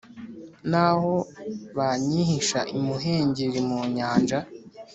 naho banyihisha imuhengeri mu nyanja